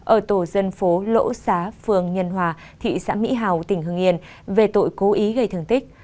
ở tổ dân phố lỗ xá phường nhân hòa thị xã mỹ hào tỉnh hưng yên về tội cố ý gây thương tích